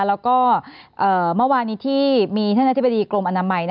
แล้วก็เมื่อวานี้ที่มีท่านอธิบดีกรมอนามัย